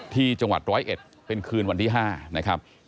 ที่จังหวัดร้อยเอ็ดเป็นคืนวันที่๕นะครับ